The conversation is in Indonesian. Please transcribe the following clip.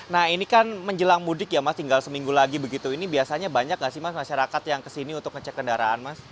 nah ini kan menjelang mudik ya mas tinggal seminggu lagi begitu ini biasanya banyak gak sih mas masyarakat yang kesini untuk ngecek kendaraan mas